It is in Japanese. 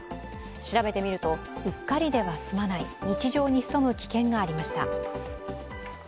調べてみるとうっかりでは済まない日常に潜む危険がありました。